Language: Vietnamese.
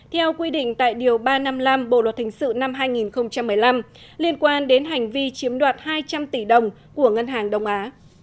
theo quy định tại điều ba trăm năm mươi năm bộ luật hình sự năm hai nghìn một mươi năm liên quan đến hành vi chiếm đoạt hai trăm linh tỷ đồng của ngân hàng đông á